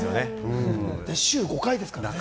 週５回ですからね。